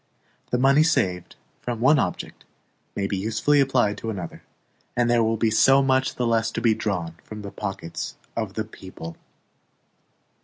The money saved from one object may be usefully applied to another, and there will be so much the less to be drawn from the pockets of the people.